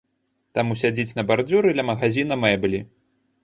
Таму сядзіць на бардзюры ля магазіна мэблі.